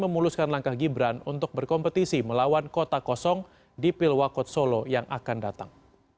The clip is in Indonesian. ketua umum erlangga hartarto menerima baik kedatangan gibran untuk berkompetisi melawan kota kosong di pilwakot solo yang akan datang